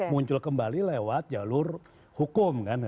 muncul kembali lewat jalur hukum kan